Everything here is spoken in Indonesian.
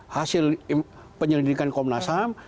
hasil penyelidikan komnas ham